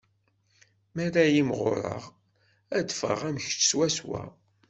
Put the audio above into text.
Mi ara imɣureɣ, ad d-ffɣeɣ am kečč swaswa.